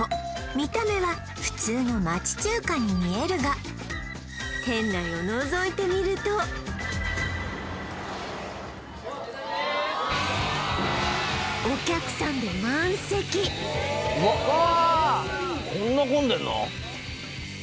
見た目は普通の町中華に見えるが店内をのぞいてみるとうわっわー